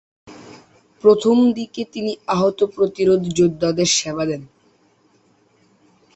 প্রথম দিকে তিনি আহত প্রতিরোধ যোদ্ধাদের সেবা দেন।